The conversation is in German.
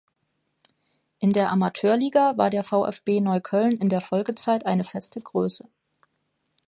In der Amateurliga war der VfB Neukölln in der Folgezeit eine feste Größe.